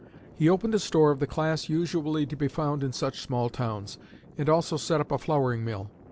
He opened a store of the class usually to be found in such small towns, and also set up a flouring mill.